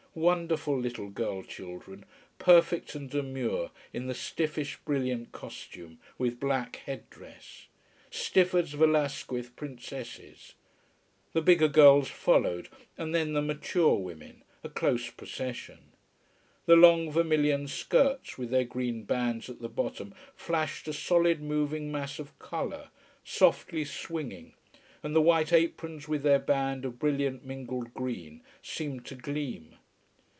Wonderful little girl children, perfect and demure in the stiffish, brilliant costume, with black head dress! Stiff as Velasquez princesses! The bigger girls followed, and then the mature women, a close procession. The long vermilion skirts with their green bands at the bottom flashed a solid moving mass of colour, softly swinging, and the white aprons with their band of brilliant mingled green seemed to gleam.